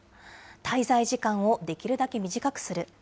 滞在時間をできるだけ短くする。